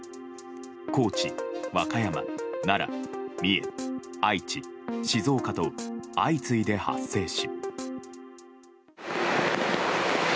高知、和歌山、奈良、三重愛知、静岡と相次いで発生し。